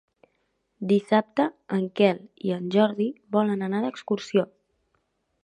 Dissabte en Quel i en Jordi volen anar d'excursió.